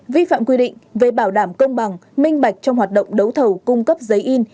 vi phạm quy định về bảo đảm công bằng minh bạch trong hoạt động đấu thầu cung cấp giấy in